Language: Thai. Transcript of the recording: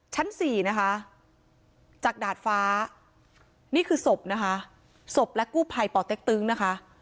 สี่นะคะจากดาดฟ้านี่คือศพนะคะศพและกู้ภัยป่อเต็กตึงนะคะ